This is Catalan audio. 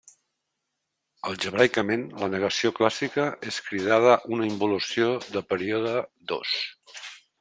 Algebraicament, la negació clàssica és cridada una involució de període dos.